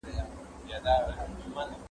د طوطي بڼکي تویي سوې ګنجی سو